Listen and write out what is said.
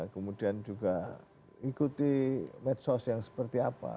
kemudian juga ikuti medsos yang seperti apa